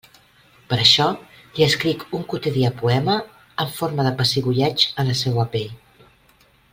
Per això li escric un quotidià poema en forma de pessigolleig en la seua pell.